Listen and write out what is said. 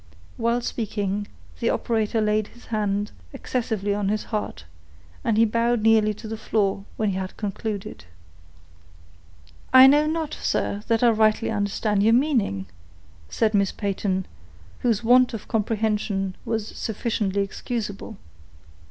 While speaking, the operator laid his hand expressively on his heart, and he bowed nearly to the floor when he had concluded. "I know not, sir, that I rightly understand your meaning," said Miss Peyton, whose want of comprehension was sufficiently excusable.